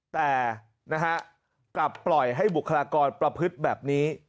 แต่นะฮะกลับปล่อยให้บุคลากรประพฤติแบบนี้